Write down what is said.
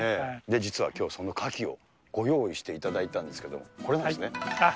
実はきょう、そのカキをご用意していただいたんですけども、これですね。